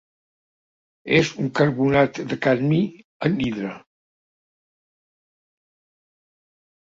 És un carbonat de cadmi, anhidre.